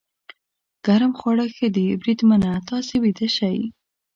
ګرم خواړه ښه دي، بریدمنه، تاسې ویده شئ.